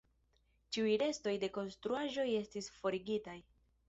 Ĉiuj restoj de konstruaĵoj estis forigitaj.